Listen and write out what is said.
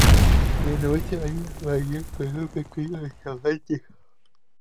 En el noroeste, hay una bahía con un pequeño restaurante.